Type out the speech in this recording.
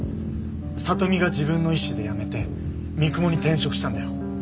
さとみが自分の意思で辞めて三雲に転職したんだよ。